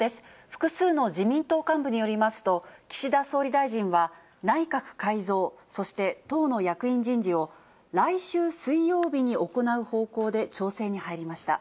複数の自民党幹部によりますと、岸田総理大臣は内閣改造、そして党の役員人事を、来週水曜日に行う方向で調整に入りました。